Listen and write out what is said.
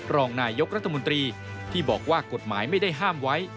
รองนายกรัฐมนตรีที่บอกว่ากฎหมายไม่ได้ห้ามไว้